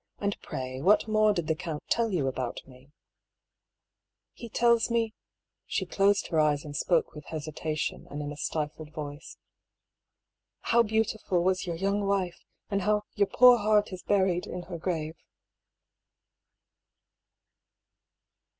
And pray what more did the count tell you about me ?"*" He tells me " (she closed her eyes and spoke with hesitation and in a stifled voice) " how beautiful was your young wife, and how your poor heart is buried in her grave."